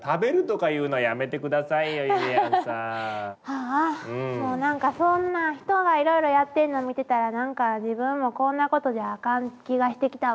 ああもう何かそんなん人がいろいろやってんの見てたら何か自分もこんなことじゃあかん気がしてきたわ。